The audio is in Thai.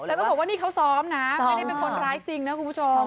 แต่ต้องบอกว่านี่เขาซ้อมนะไม่ได้เป็นคนร้ายจริงนะคุณผู้ชม